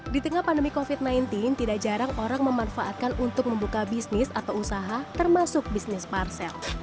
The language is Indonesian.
di tengah pandemi covid sembilan belas tidak jarang orang memanfaatkan untuk membuka bisnis atau usaha termasuk bisnis parsel